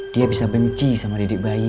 dia bisa benci sama didik bayi